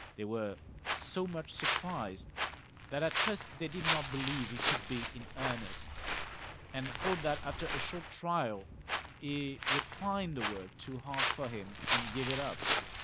They were so much surprised that at first they did not believe he could be in earnest, and thought that after a short trial he would find the work too hard for him, and give it up.